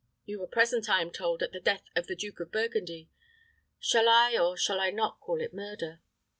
You were present, I am told, at the death of the Duke of Burgundy shall I, or shall I not call it murder?